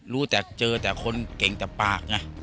รู้แต่เจอแต่คนเก่งต่างก็ปาก